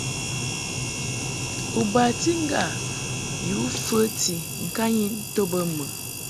U bati ŋgâ yǔ fəti ŋkanyin to bə mɨ?